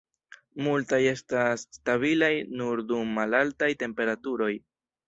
Multaj estas stabilaj nur dum malaltaj temperaturoj.